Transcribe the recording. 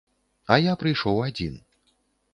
А я прыйшоў адзін.